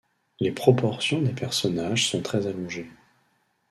Les proportions des personnages sont très allongées.